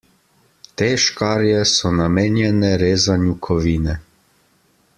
Te škarje so namenjene rezanju kovine.